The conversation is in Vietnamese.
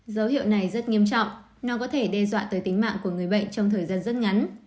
dấu hiệu này rất nghiêm trọng nó có thể đe dọa tới tính mạng của người bệnh trong thời gian rất ngắn